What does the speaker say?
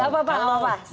nama apa silahkan